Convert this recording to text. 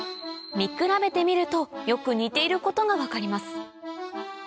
見比べてみるとよく似ていることが分かります